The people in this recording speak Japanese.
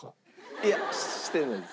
いやしてないです。